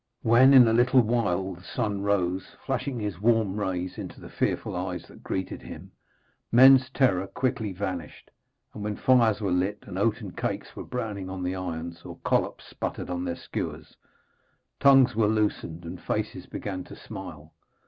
When, in a little while, the sun rose, flashing his warm rays into the fearful eyes that greeted him, men's terror quickly vanished; and when fires were lit and oaten cakes were browning on the irons, or collops sputtered on their skewers, tongues were loosened and faces began to smile.